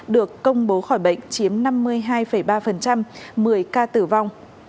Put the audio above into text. được công bố khỏi bệnh chiếm năm mươi hai ba một mươi ca tử vong